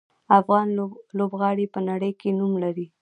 افغان لوبغاړي په نړۍ کې نوم لري.